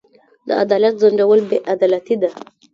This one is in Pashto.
د عدالت ځنډول بې عدالتي ده.